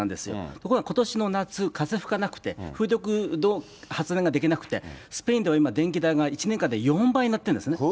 ところがことしの夏、風吹かなくて、風力発電ができなくて、スペインでは今電気代が１年間で４倍になってるんですね。